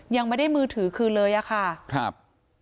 ยังไม่ได้มือถือคืนเลยอะค่ะครับ